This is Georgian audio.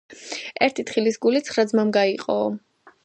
ერთი თხილის გული ცხრა ძმამ გაიყოო